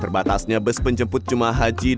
terbatasnya bus penjemput jemaah haji